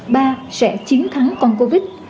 ba sẽ chiến thắng con covid